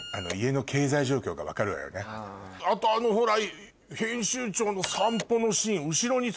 あとあのほら。